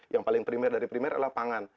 yang paling primer dari primer adalah pangan